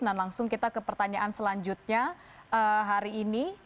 dan langsung kita ke pertanyaan selanjutnya hari ini